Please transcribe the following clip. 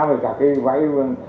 và cả cái vây